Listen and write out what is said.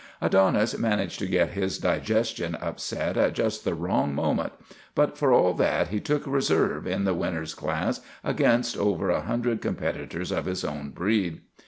Adonis man aged to get his digestion upset at just the wrong mo ment, but for all that he took reserve in the winners class against over a hundred competitors of his own breed.